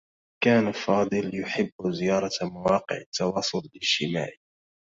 كان فاضل يحبّ زيارة مواقع التّواصل الاجتماعي.